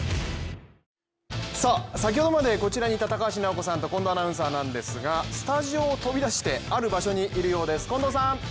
先ほどまでこちらにいた高橋尚子さんと近藤アナウンサーなんですがスタジオを飛び出してある場所にいるようです。